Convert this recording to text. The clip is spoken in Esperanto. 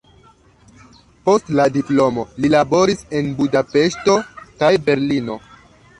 Post la diplomo li laboris en Budapeŝto kaj Berlino.